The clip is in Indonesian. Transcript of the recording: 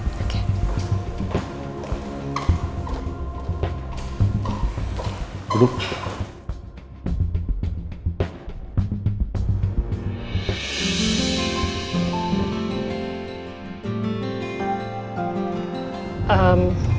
kamu sudah kering kok